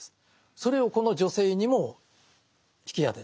それをこの女性にも引き当ててる。